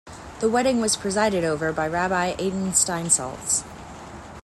The wedding was presided over by Rabbi Adin Steinsaltz.